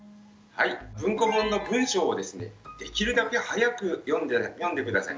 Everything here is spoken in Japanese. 文庫本の文章をですねできるだけ速く読んで下さい。